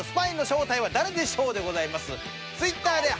Ｔｗｉｔｔｅｒで＃